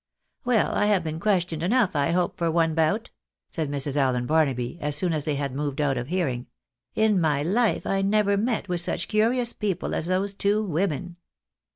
" Well, I have been questioned enough, I hope, far one bout," said Mrs. Allen Barnaby, as soon as they had moved out of hearing. " In my hfe I never met with such curious people as those two women."